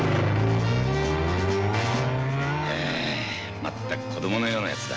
まったく子供のようなやつだ。